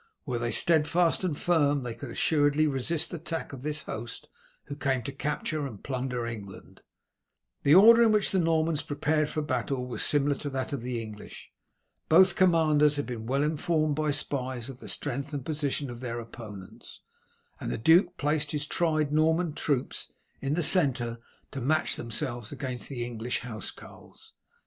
Were they steadfast and firm they could assuredly resist the attack of this host who came to capture and plunder England." The order in which the Normans prepared for battle was similar to that of the English. Both commanders had been well informed by spies of the strength and position of their opponents, and the duke placed his tried Norman troops in the centre to match themselves against the English housecarls.